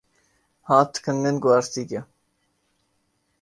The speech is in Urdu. ہاتھ کنگن کو آرسی کیا؟